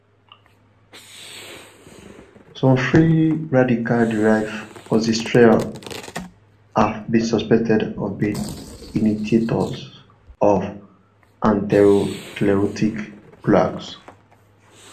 Some free radicals-derived oxysterols have been suspected of being initiators of atherosclerotic plaques.